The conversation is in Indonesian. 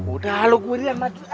udah lo kuyang aja